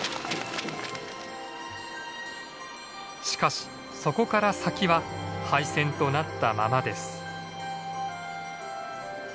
しかしそこから先は廃線となったままです。